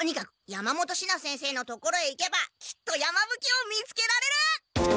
山本シナ先生の所へ行けばきっと山ぶ鬼を見つけられる！